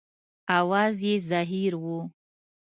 اواز یې زهیر و.